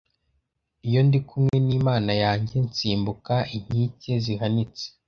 iyo ndi kumwe n’Imana yanjye nsimbuka inkike zihanitse